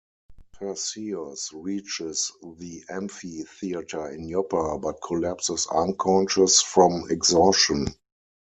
Perseus reaches the amphitheatre in Joppa, but collapses unconscious from exhaustion.